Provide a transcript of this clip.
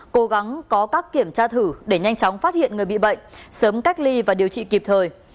cố gắng có các kiểm tra thử để nhanh chóng phát hiện người bị bệnh sớm cách ly và điều trị kịp thời